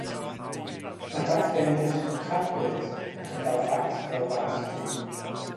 Mae'r bachgen yn gwisgo cap gwyrdd ac yn dal bat pêl fas du.